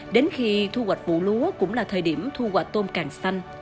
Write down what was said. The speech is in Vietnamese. đến khi thu hoạch vụ lúa cũng là thời điểm thu hoạch tôm càng xanh